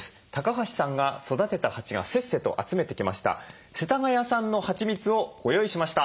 橋さんが育てた蜂がせっせと集めてきました世田谷産のはちみつをご用意しました。